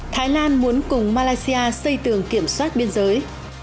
thái lan muốn cùng malaysia xây tường kiểm soát biên giới